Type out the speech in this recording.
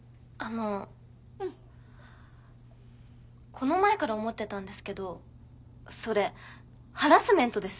この前から思ってたんですけどそれハラスメントです。